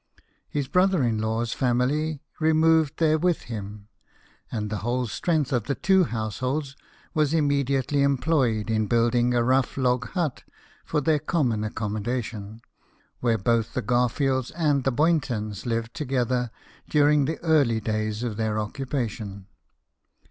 His brother in law's family removed there with him ; and the whole strength of the two households was immediately employed in building a rough log hut for their common accommodation, where both the Garfields and the Boyntons lived together during the early 136 BIOGRAPHIES OF WORKING MEN. days of their occupation.